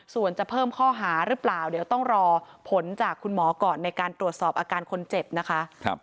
ส่วนจะเพิ่มข้อหาหรือเปล่าเดี๋ยวต้องรอผลจากคุณหมอก่อนในการตรวจสอบอาการคนเจ็บนะคะ